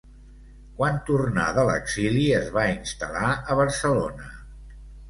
Quan tornà de l'exili es va instal·lar a Barcelona.